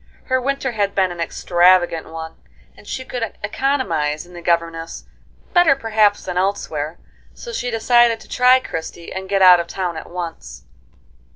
Her winter had been an extravagant one, and she could economize in the governess better perhaps than elsewhere; so she decided to try Christie, and get out of town at once.